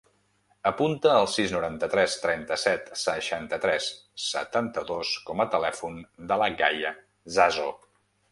Apunta el sis, noranta-tres, trenta-set, seixanta-tres, setanta-dos com a telèfon de la Gaia Zazo.